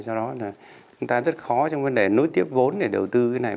do đó là chúng ta rất khó trong vấn đề nối tiếp vốn để đầu tư cái này